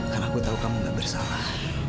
karena aku tahu kamu nggak bersalah